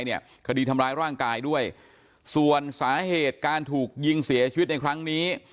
เนี่ยคดีทำร้ายร่างกายด้วยส่วนสาเหตุการถูกยิงเสียชีวิตในครั้งนี้